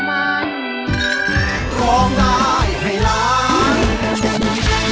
แข็งของนายให้ร้าน